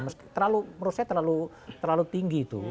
meski menurut saya terlalu tinggi tuh